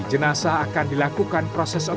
jenazah akan dilakukan perusahaan pertemuan